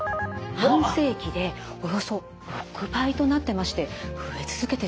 半世紀でおよそ６倍となってまして増え続けてるんですよ。